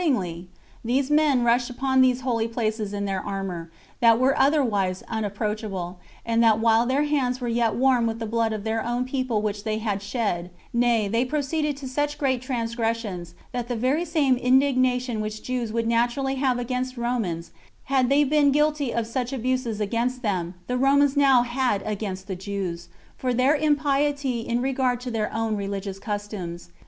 Accordingly, these men rushed upon these holy places in their armor, that were otherwise unapproachable, and that while their hands were yet warm with the blood of their own people which they had shed; nay, they proceeded to such great transgressions, that the very same indignation which Jews would naturally have against Romans, had they been guilty of such abuses against them, the Romans now had against Jews, for their impiety in regard to their own religious customs.